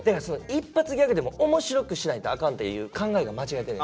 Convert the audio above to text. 一発ギャグでも面白くしないとあかんっていう考えが間違えてんねん。